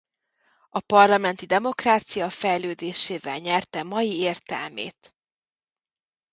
A parlamenti demokrácia fejlődésével nyerte mai értelmét.